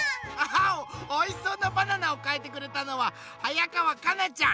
おいしそうなバナナをかいてくれたのははやかわかなちゃん。